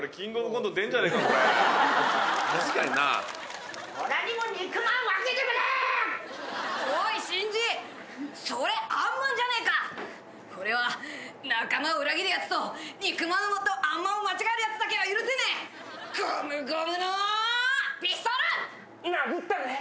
これオラにもおい新人それあんまんじゃねえか俺は仲間を裏切るやつと肉まんとあんまんを間違えるやつだけは許せねえゴムゴムの銃殴ったね